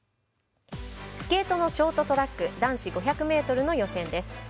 スケートのショートトラック男子５００ｍの予選です。